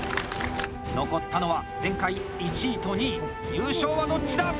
残ったのは前回１位と２位優勝は、どっちだ。